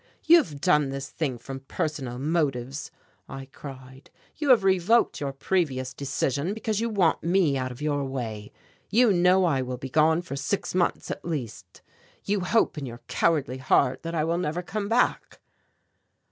"You have done this thing from personal motives," I cried. "You have revoked your previous decision because you want me out of your way. You know I will be gone for six months at least. You hope in your cowardly heart that I will never come back."